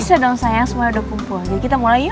kamu videoin ya jangan sampai ada yang terlewat ya semuanya